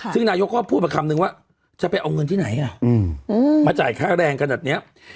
ซึ่งนายกก็พูดมาคำนึงว่าจะไปเอาเงินที่ไหนมาจ่ายค่าแรงขนาดนี้